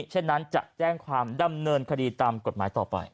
เช่นนั้นจะแจ้งความดำเนินคดีตามกฎหมายต่อไป